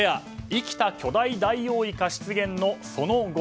生きた巨大ダイオウイカ出現のその後。